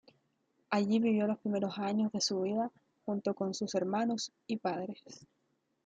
Allí vivió los primeros años de su vida, junto con sus hermanos y padres.